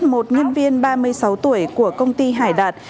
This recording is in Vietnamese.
một nhân viên ba mươi sáu tuổi của công ty hải đạt